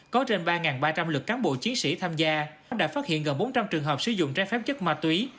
có trên ba ba trăm linh lực cán bộ chiến sĩ tham gia đã phát hiện gần bốn trăm linh trường hợp sử dụng trái phép chất ma túy